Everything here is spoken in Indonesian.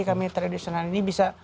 kami tradisional ini bisa